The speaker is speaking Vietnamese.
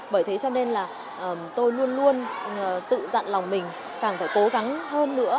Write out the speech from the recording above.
bởi thế cho nên là tôi luôn luôn tự dặn lòng mình càng phải cố gắng hơn nữa